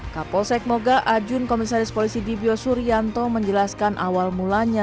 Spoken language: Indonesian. kapolsek moga ajun komisaris polisi dibyo suryanto menjelaskan awal mulanya